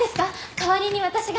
代わりに私が。